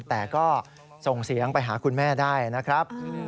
แต่ก็ส่งเสียงไปหาคุณแม่ได้นะครับ